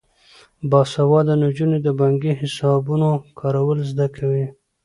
باسواده نجونې د بانکي حسابونو کارول زده کوي.